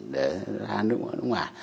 để ra nước ngoài